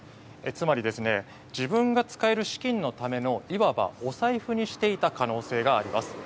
つまり自分が使える資金のためのいわばお財布にしていた可能性があります。